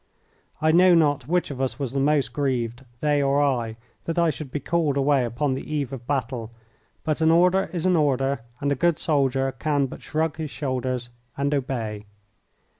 I know not which of us was the most grieved, they or I, that I should be called away upon the eve of battle, but an order is an order, and a good soldier can but shrug his shoulders and obey.